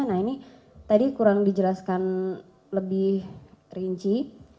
nah ini tadi kurang dijelaskan lebih rinci